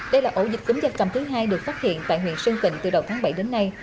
đây là ổ dịch cấm gia cầm thứ hai được phát hiện tại huyện sơn tình từ đầu tháng bảy đến nay